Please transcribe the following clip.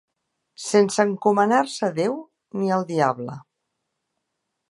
Sense encomanar-se a Déu ni al diable.